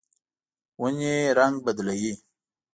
ونې رڼګ بدلوي